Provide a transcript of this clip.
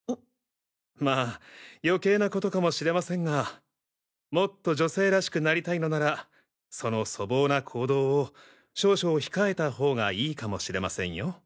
まぁ余計な事かもしれませんがもっと女性らしくなりたいのならその粗暴な行動を少々控えた方がいいかもしれませんよ。